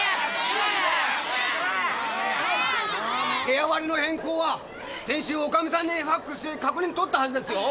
部屋割りの変更は先週女将さんにファクスして確認取ったはずですよ。